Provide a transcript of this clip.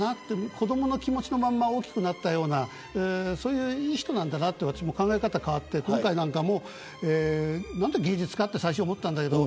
子どもの気持ちのまま大きくなったようなそういう、いい人なんだと私も考え方が変わって今回も、何で芸術家と思ったんだけど。